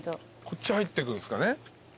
こっち入ってくんですかね？